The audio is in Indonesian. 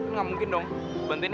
nggak mungkin dong bantuin